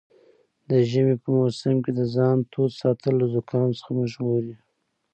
د ژمي په موسم کې د ځان تود ساتل له زکام څخه مو ژغوري.